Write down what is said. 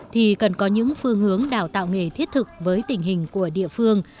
thì cần có những phương hướng đào tạo nghề thiết thực với tình hình của địa phương